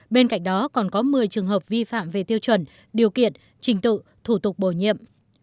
bên cạnh đó còn có một mươi trường hợp vi phạm về tiêu chuẩn điều kiện trình tự thủ tục bổ nhiệm